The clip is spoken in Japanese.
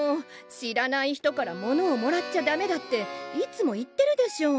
知らない人から物をもらっちゃダメだっていつも言ってるでしょ。